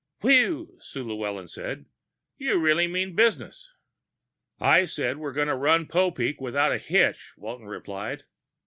"Whew!" Sue Llewellyn said. "You really mean business!" "I said we were going to run Popeek without a hitch," Walton replied.